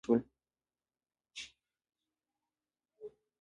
خرابه هوا او ستراتیژیکې تېروتنې لامل شول.